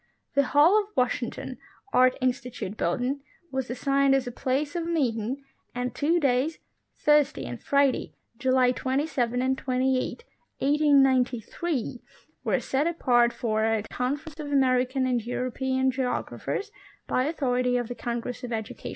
The Hall of Washington, Art Institute Building, was assigned as a place of meeting, and two days, Thursday and Friday, July 27 and 28, 1893, were set apart for a '" Conference of American and European geog raphers " bv authority of the Congress of Education.